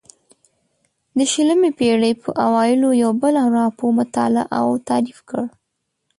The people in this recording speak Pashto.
د شلمې پېړۍ په اوایلو یو بل ارواپوه مطالعه او تعریف کړه.